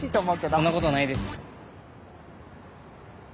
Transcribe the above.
そんなことないです。